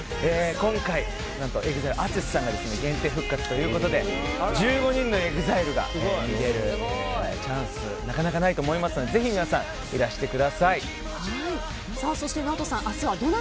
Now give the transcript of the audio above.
今回、何とＥＸＩＬＥＡＴＳＵＳＨＩさんが限定復活ということで１５人のＥＸＩＬＥが見られるチャンスなかなかないので皆さん、お楽しみに。